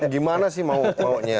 gimana sih maunya